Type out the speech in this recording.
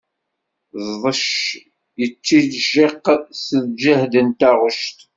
Ẓdec yettijiq s lǧahd n taɣect.